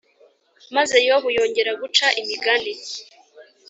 Maze yobu yongera guca imigani